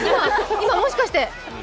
今、もしかして。